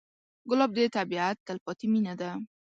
ګلاب د طبیعت تلپاتې مینه ده.